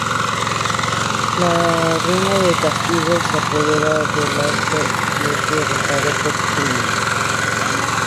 La Runa del Castigo se apodera de Lazlo y es desterrado por su crimen.